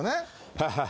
ハハハ。